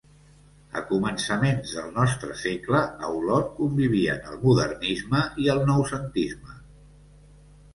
A començaments del nostre segle, a Olot convivien el Modernisme i el Noucentisme.